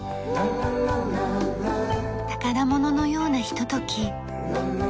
宝物のようなひととき。